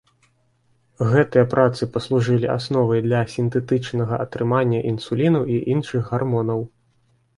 Гэтыя працы паслужылі асновай для сінтэтычнага атрымання інсуліну і іншых гармонаў.